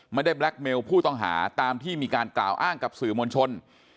แบล็คเมลผู้ต้องหาตามที่มีการกล่าวอ้างกับสื่อมวลชน